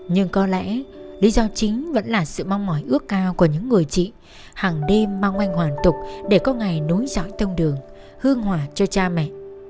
nhưng có lẽ lý do chính vẫn là sự mong mỏi ước cao của những người chị hàng đêm mang anh hoàn tục để có ngày nối dõi thông đường hương hòa cho cha mẹ